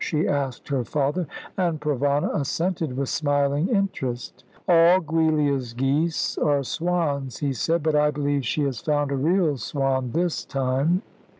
she asked her father, and Provana assented with smiling interest. "All Giulia's geese are swans," he said; "but I believe she has found a real swan this time."